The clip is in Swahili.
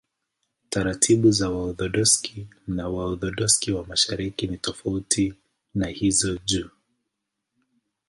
Taratibu za Waorthodoksi na Waorthodoksi wa Mashariki ni tofauti na hizo juu.